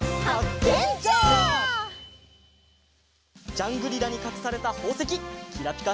ジャングリラにかくされたほうせききらぴか